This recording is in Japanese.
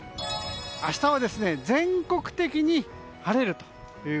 明日は全国的に晴れると。